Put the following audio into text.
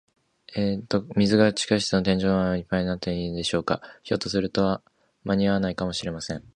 水が地下室の天井までいっぱいになってしまうようなことはないでしょうか。ひょっとすると、まにあわないかもしれません。